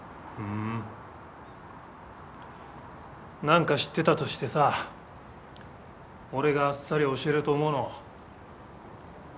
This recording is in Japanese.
何か知ってたとしてさ俺があっさり教えると思うの？